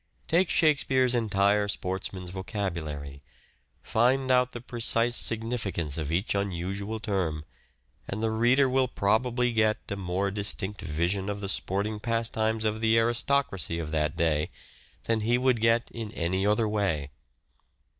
Take Shakespeare's entire sportsman's vocabulary, find out the precise significance of each unusual term, and the reader will probably get a more distinct vision of the sporting pastimes of the aristocracy of that day than he would get in any other way.